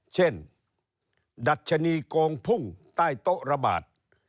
เช่นดัชนีโกงพุ่งใต้โต๊ะระบาด